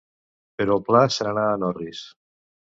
Però el pla se n'anà en orris.